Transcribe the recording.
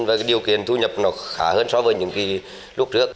và cái điều kiện thu nhập nó khá hơn so với những lúc trước